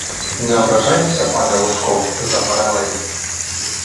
Не ображайтеся, пане Лужков, за паралелі